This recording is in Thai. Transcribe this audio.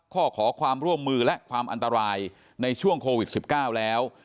ขอความร่วมมือและความอันตรายในช่วงโควิด๑๙แล้ว